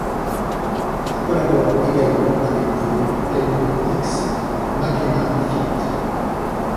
Il collabore également avec des groupes tels que X Makeena feat.